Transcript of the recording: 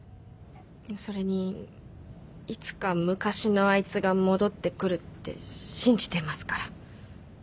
それにいつか昔のあいつが戻ってくるって信じてますから